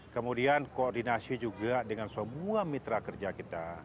kemudian koordinasi juga dengan semua mitra kerja kita